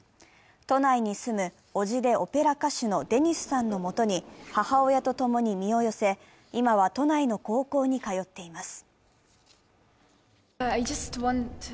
都内に住む、おじでオペラ歌手のデニスさんのもとに母親とともに身を寄せ、今は都内の高校に通っています。